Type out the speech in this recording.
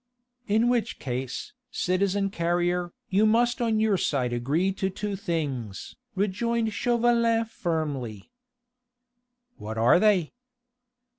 "In which case, citizen Carrier, you must on your side agree to two things," rejoined Chauvelin firmly. "What are they?"